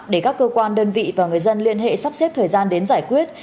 để các cơ quan đơn vị và người dân liên hệ sắp xếp thời gian đến giải quyết